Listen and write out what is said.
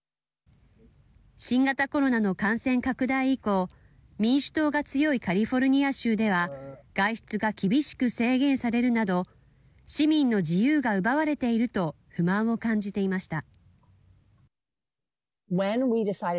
新型コロナの感染拡大以降民主党が強いカリフォルニア州では外出が厳しく制限されるなど市民の自由が奪われていると不満を感じていました。